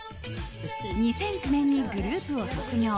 ２００９年にグループを卒業。